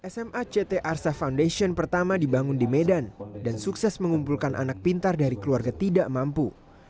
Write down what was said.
sma ct arsa foundation pertama dibangun di medan dan sukses mengumpulkan anak pintar dari keluarga tidak mampu